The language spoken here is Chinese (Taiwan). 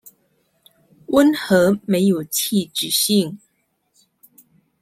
溫和沒有刺激性